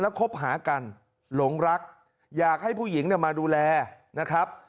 แล้วคบหากันหลงรักอยากให้ผู้หญิงมาดูแลนะครับ